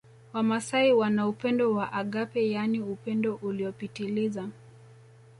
Wamasai wana upendo wa agape yaani upendo uliopitiliza